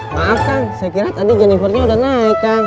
maaf kang saya kira tadi junipernya udah naik kang